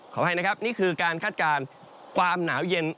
อภัยนะครับนี่คือการคาดการณ์ความหนาวเย็น